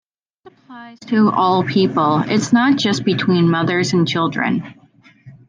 This applies to all people, it is not just between mothers and children.